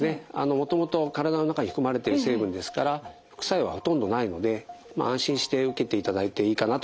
もともと体の中に含まれてる成分ですから副作用はほとんどないので安心して受けていただいていいかなと思います。